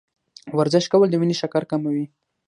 ورزش کول د وینې شکر کموي.